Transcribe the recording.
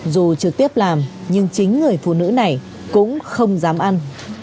dù trực tiếp làm nhưng chính người phụ nữ này cũng không dám ăn